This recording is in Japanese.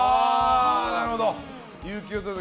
なるほど。